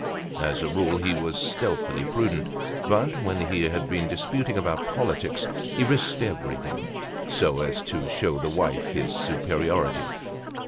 As a rule he was stealthily prudent, but when he had been disputing about politics he risked everything, so as to show the wife his superiority.